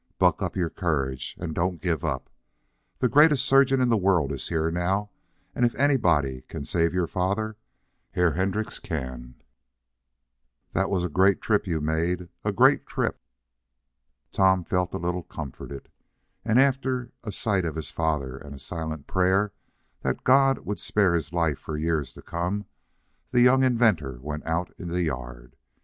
Bluck up your courage, und doan't gif up. Der greatest surgeon in der vorld is here now, und if anybody gan safe your vater, Herr Hendriz gan. Dot vos a great drip you made a great drip!" Tom felt a little comforted and, after a sight of his father, and a silent prayer that God would spare his life for years to come, the young inventor went out in the yard.